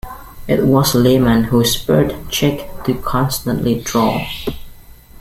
It was Lyman who spurred Chic to constantly draw.